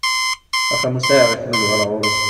Axxam ur t-sεiɣ akken ad uɣaleɣ ɣur-s.